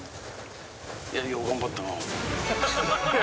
いや、よう頑張ったな。